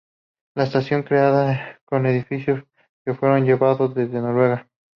La estación fue creada con edificios que fueron llevados desde Noruega.